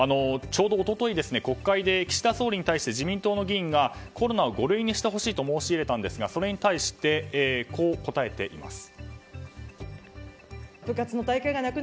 ちょうど一昨日国会で岸田総理に対して自民党の議員がコロナを五類にしてほしいと申し入れたんですがそれに対して、こう答えています。